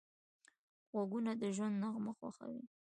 غوږونه د ژوند نغمه خوښوي